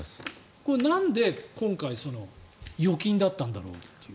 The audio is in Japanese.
なんで、今回預金だったんだろうという。